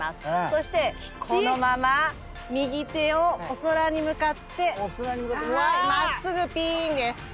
そしてこのまま右手をお空に向かって真っすぐピーンです。